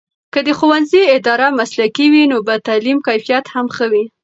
که د ښوونځي اداره مسلکي وي، نو به د تعلیم کیفیت هم ښه وي.